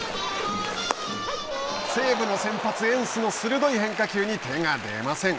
西武の先発エンスの鋭い変化球に手が出ません。